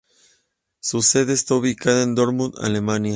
Su sede está ubicada en Dortmund, Alemania.